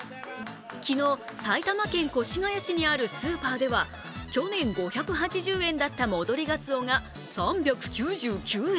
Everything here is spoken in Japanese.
昨日、埼玉県越谷市にあるスーパーでは去年５８０円だった戻りがつおが３９９円。